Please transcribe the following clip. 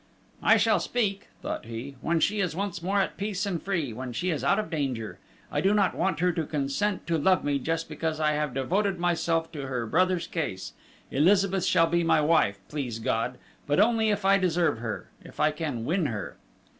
"I shall speak," thought he, "when she is once more at peace and free, when she is out of danger. I do not want her to consent to love me just because I have devoted myself to her brother's case. Elizabeth shall be my wife, please God; but only if I deserve her, if I can win her."